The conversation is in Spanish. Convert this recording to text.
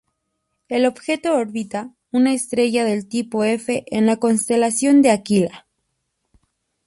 El objeto orbita una estrella del tipo F en la constelación de Aquila.